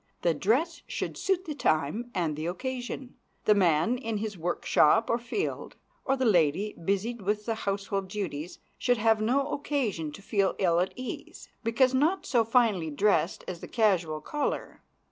The dress should suit the time and the occasion. The man in his workshop or field, or the lady, busied with the household duties, should have no occasion to feel ill at ease, because not so finely dressed as the casual caller.